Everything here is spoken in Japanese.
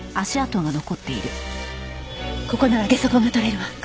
ここならゲソ痕がとれるわ。